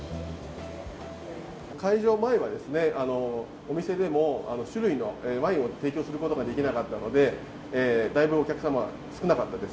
解除前は、お店でも酒類のワインを提供することができなかったので、だいぶお客様、少なかったです。